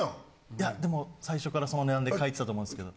いやでも最初からその値段で書いてたと思うんすけど。